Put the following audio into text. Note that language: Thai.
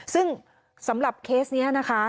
ซึ่งสำหรับเคสนี้นะคะ